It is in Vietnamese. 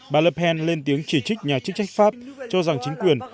bà le pen lên tiếng chỉ trích nhà chức trách pháp cho rằng chính quyền